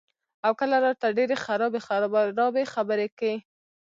او کله راته ډېرې خرابې خرابې خبرې کئ " ـ